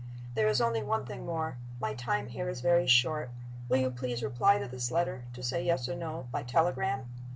"There is only one thing more. My time here is very short. Will you please reply to this letter (to say yes or no) by telegram?